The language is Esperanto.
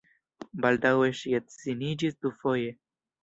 Baldaŭe ŝi edziniĝis dufoje.